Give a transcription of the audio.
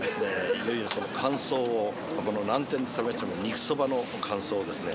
いよいよその感想をこの南天で食べました肉そばの感想をですね